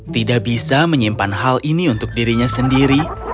tidak bisa menyimpan hal ini untuk dirinya sendiri